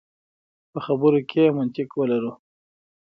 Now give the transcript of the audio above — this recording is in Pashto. په خبرو کې منطق ولرو.